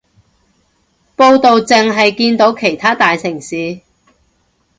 報導淨係見到其他大城市